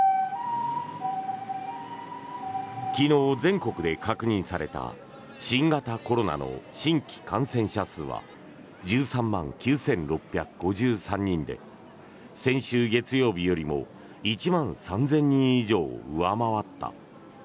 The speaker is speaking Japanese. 昨日、全国で確認された新型コロナの新規感染者数は１３万９６５３人で先週月曜日よりも１万３０００人以上上回った。